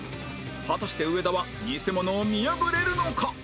果たして上田はニセモノを見破れるのか？